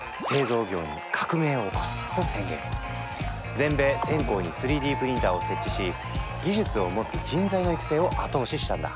全米１０００校に３Ｄプリンターを設置し技術を持つ人材の育成を後押ししたんだ。